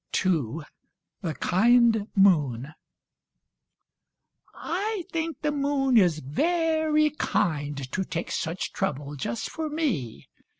II The Kind Moon I think the moon is very kind To take such trouble just for me.